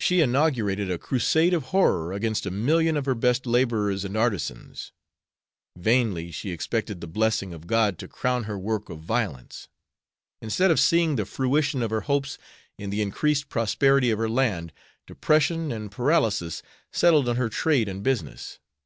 She inaugurated a crusade of horror against a million of her best laborers and artisans. Vainly she expected the blessing of God to crown her work of violence. Instead of seeing the fruition of her hopes in the increased prosperity of her land, depression and paralysis settled on her trade and business.